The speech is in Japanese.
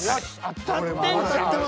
当たってんちゃう？